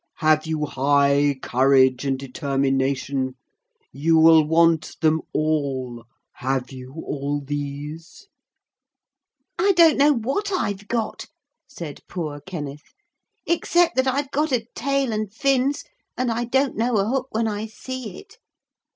Have you high courage and determination? You will want them all. Have you all these?' 'I don't know what I've got,' said poor Kenneth, 'except that I've got a tail and fins, and I don't know a hook when I see it.